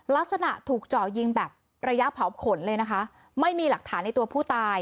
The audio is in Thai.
ลักษณะถูกเจาะยิงแบบระยะเผาขนเลยนะคะไม่มีหลักฐานในตัวผู้ตาย